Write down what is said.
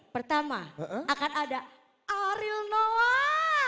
pertama akan ada ariel noah